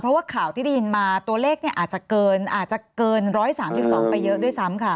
เพราะว่าข่าวที่ได้ยินมาตัวเลขอาจจะเกิน๑๓๒ไปเยอะด้วยซ้ำค่ะ